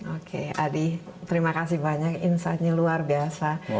oke adi terima kasih banyak insightnya luar biasa